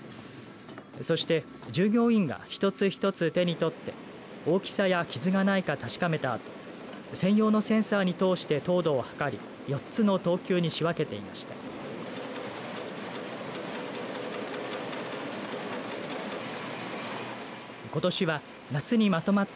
そして従業員たちが一つ一つ手に取って大きさや傷がないか確かめたあと専用のセンサーに通して糖度を測り４つの等級に仕分けていました。